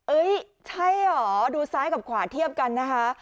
ใช่เหรอดูซ้ายกับขวาเทียบกันนะคะ